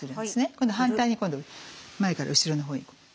今度反対に前から後ろの方に。